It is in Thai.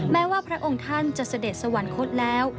แม้ว่าพระองค์ท่านจะเสด็จสวรรคตแล้ว